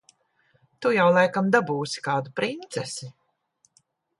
Tu jau laikam dabūsi kādu princesi.